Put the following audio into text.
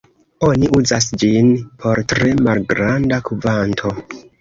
Oni uzas ĝin por tre malgranda kvanto.